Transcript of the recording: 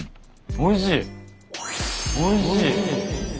おいしい。